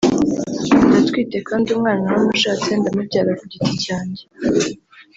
ndatwite kandi umwana naramushatse ndamubyara ku giti cyanjye